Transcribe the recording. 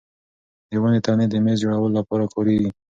د ونو تنې د مېز جوړولو لپاره کارېږي.